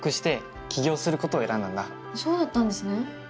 そうだったんですね。